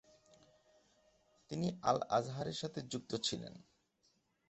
তিনি আল-আজহারের সাথে যুক্ত ছিলেন।